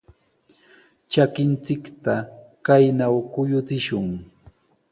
Trakinchikta kaynaw kuyuchishun.